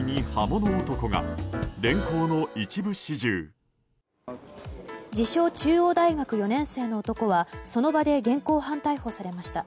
ピンポーン自称中央大学４年生の男はその場で現行犯逮捕されました。